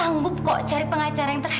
tante sanggup kok cari pengacara yang terkenal